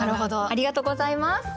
ありがとうございます。